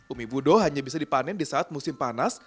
umi budo hanya bisa dipanen di saat musim panas